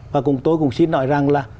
và tôi cũng xin nói rằng là